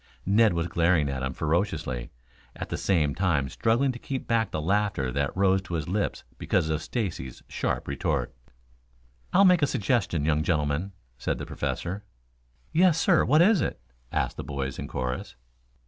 Ned was glaring at him ferociously, at the same time struggling to keep back the laughter that rose to his lips because of Stacy's sharp retort. "I'll make a suggestion, young gentlemen," said the Professor. "Yes, sir, what is it?" asked the boys in chorus.